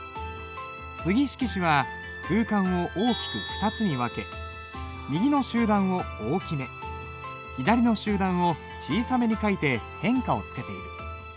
継色紙は空間を大きく２つに分け右の集団を大きめ左の集団を小さめに書いて変化をつけている。